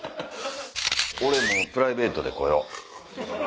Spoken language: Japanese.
俺プライベートで来よう。